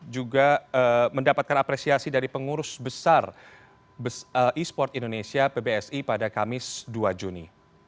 juga mendapatkan apresiasi dari pengurus besar e sport indonesia pbsi pada kamis dua juni